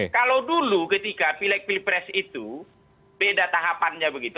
kalau dulu ketika pilih pilih pres itu beda tahapannya begitu